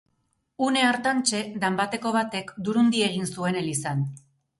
Une hartantxe, danbateko batek durundi egin zuen elizan.